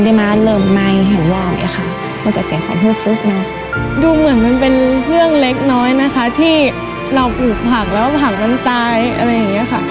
ตามราห์คุณราหวาดมาเริ่มไม้แห่งราวเนี่ยค่ะ